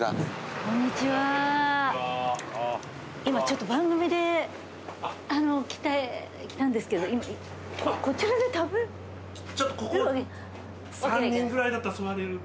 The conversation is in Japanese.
今ちょっと番組で来たんですけどこちらで食べる？